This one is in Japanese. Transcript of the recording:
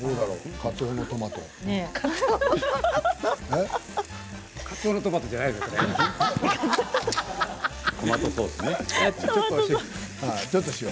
勝雄のトマトじゃないですよ。